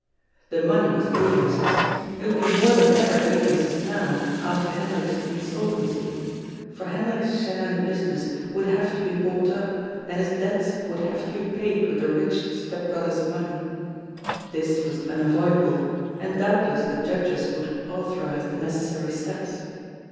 The money was Elias's. It would be more than ever Elias's now, after Hendrik's insolvency, for Hendrik's share in the business would have to be bought up and his debts would have to be paid with the rich step brother's money. This was unavoidable, and doubtless the judges would authorise the necessary steps.